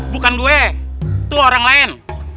bukan gue itu orang lain